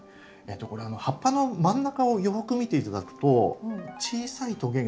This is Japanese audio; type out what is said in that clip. これ葉っぱの真ん中をよく見て頂くと小さいトゲが。